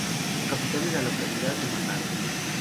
Su capital es la localidad de La Matanza.